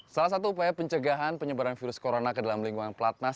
salah satu upaya pencegahan penyebaran virus corona ke dalam lingkungan pelatnas